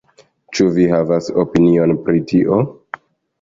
Ĉu vi havas opinion pri tio?